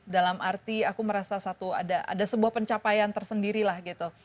dalam arti aku merasa satu ada sebuah pencapaian tersendiri lah gitu